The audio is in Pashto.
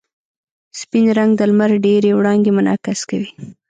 سپین رنګ د لمر ډېرې وړانګې منعکس کوي.